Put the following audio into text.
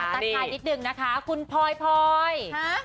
ทักทายนิดนึงนะคะคุณพลอยพลอย